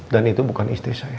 dan itu bukan istri saya